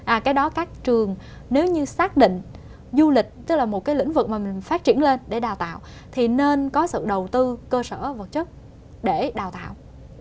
à cái đó các trường nếu như xác định du lịch tức là một cái lĩnh vực mà mình phát triển lên để đào tạo thì nên có sự đầu tư cơ sở vật chất để đào tạo